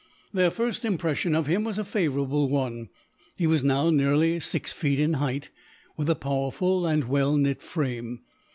Their first impression of him was a favourable one. He was now nearly six feet in height, with a powerful and well knit frame.